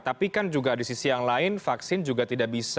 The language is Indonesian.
tapi kan juga di sisi yang lain vaksin juga tidak bisa